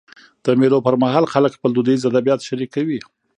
د مېلو پر مهال خلک خپل دودیز ادبیات شريکوي.